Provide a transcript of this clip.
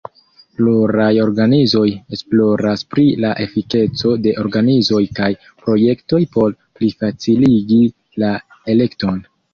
Pluraj organizoj esploras pri la efikeco de organizoj kaj projektoj por plifaciligi la elekton.